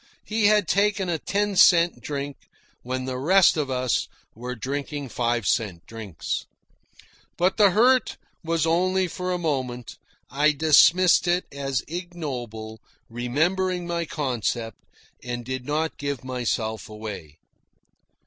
He had taken a ten cent drink when the rest of us were drinking five cent drinks! But the hurt was only for a moment. I dismissed it as ignoble, remembered my concept, and did not give myself away.